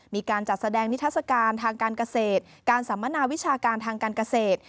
มีการจัดแสดงนิทัศกาลทางการเกษตรการสัมมนาวิชาการทางการเกษตร